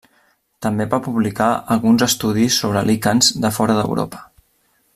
També va publicar alguns estudis sobre líquens de fora d'Europa.